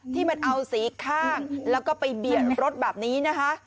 ที่มันเอาสีข้างแล้วก็ไปเบียดรถแบบนี้นะคะ